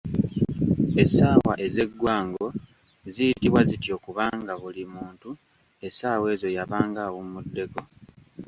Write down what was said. Essaawa ezeggwango ziyitibwa zityo kubanga buli muntu essaawa ezo yabanga awummuddeko.